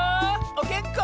おげんこ？